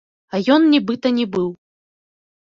А ён, нібыта, не быў.